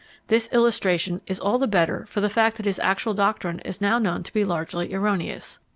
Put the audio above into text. This illustration is all the better for the fact that his actual doctrine is now known to be largely erroneous.